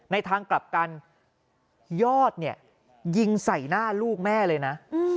ในทางกลับกันยอดเนี่ยยิงใส่หน้าลูกแม่เลยนะ